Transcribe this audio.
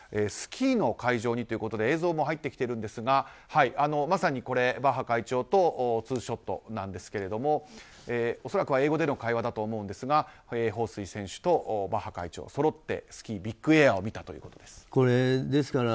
スキーの会場にということで映像も入ってきているんですがまさにこれ、バッハ会長とツーショットなんですけど恐らくは英語での会話だと思いますがホウ・スイ選手とバッハ会長そろってスキービッグエアを見たということです。